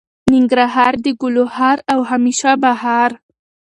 ننګرهار د ګلو هار او همیشه بهار.